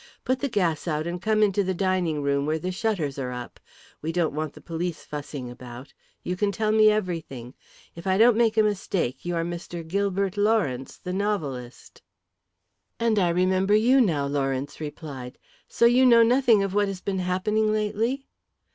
Put the gas out and come into the dining room where the shutters are up. We don't want the police fussing about. You can tell me everything. If I don't make a mistake you are Mr. Gilbert Lawrence, the novelist." "And I remember you now," Lawrence replied. "So you know nothing of what has been happening lately?"